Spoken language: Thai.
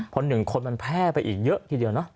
พอ๑คนมันแพร่ไปอีกเยอะทีเดียวเนาะ